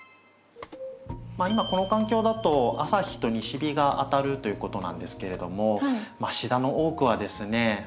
今この環境だと朝日と西日が当たるということなんですけれどもシダの多くはですね